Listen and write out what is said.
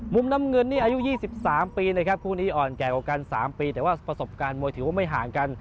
มุมน้ำเงินนี่อายุ๒๓ปีนะครับคู่นี้อ่อนแก่กว่ากัน๓ปีแต่ว่าประสบการณ์มวยถือว่าไม่ห่างกัน